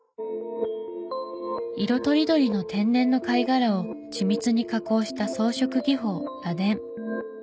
色とりどりの天然の貝殻を緻密に加工した装飾技法螺鈿。